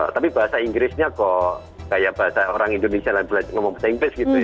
tapi bahasa inggrisnya kok kayak bahasa orang indonesia lagi ngomong bahasa inggris gitu